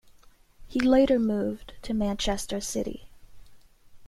He later moved to Manchester City.